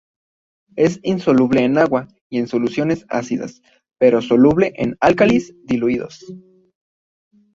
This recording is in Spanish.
Es insoluble en agua y en soluciones ácidas, pero soluble en álcalis diluidos.